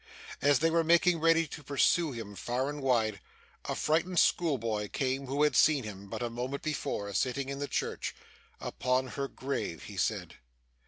As they were making ready to pursue him far and wide, a frightened schoolboy came who had seen him, but a moment before, sitting in the church upon her grave, he said.